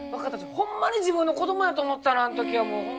ホンマに自分の子供やと思ったのあん時はもう。